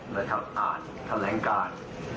ระดับอ่านแทนแหลงการ